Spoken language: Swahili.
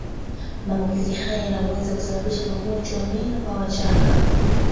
Maambukizo haya yanaweza kusababisha magonjwa ya meno kwa wachanga